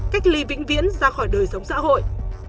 khiến ra khỏi đời sống xã hội